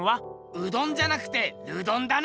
うどんじゃなくてルドンだな！